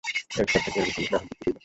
এর পর থেকে এর ব্যাপক বিস্তৃতি ঘটেছে।